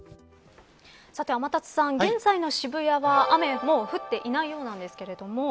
さて天達さん、現在の渋谷は雨もう降っていないようなんですが。